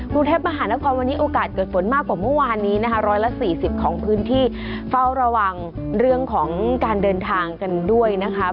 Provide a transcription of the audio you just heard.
กรุงเทพมหานครวันนี้โอกาสเกิดฝนมากกว่าเมื่อวานนี้นะคะ๑๔๐ของพื้นที่เฝ้าระวังเรื่องของการเดินทางกันด้วยนะคะ